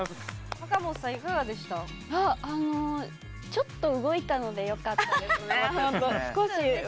ちょっと、動いたのでよかったです。